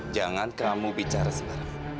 jangan kamu bicara sebara bara